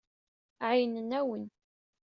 Ɛeyynen-awen.